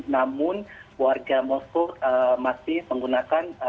namun warga moskow masih menggunakan